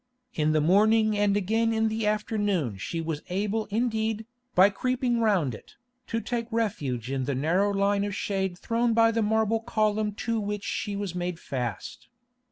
In the morning and again in the afternoon she was able indeed, by creeping round it, to take refuge in the narrow line of shade thrown by the marble column to which she was made fast.